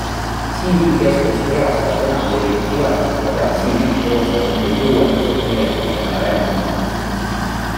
CV Keskus reastab enamlevinud vead, mida peaks CV-d koostades või uuendades meeles pidama ja vältima.